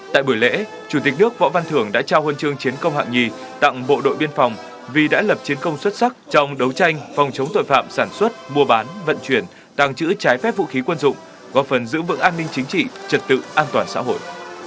tại buổi lễ chủ tịch nước võ văn thưởng đã trao huân chương chiến công hạng nhì tặng bộ đội biên phòng vì đã lập chiến công xuất sắc trong đấu tranh phòng chống tội phạm sản xuất mua bán vận chuyển tàng trữ trái phép vũ khí quân dụng góp phần giữ vững an ninh chính trị trật tự an toàn xã hội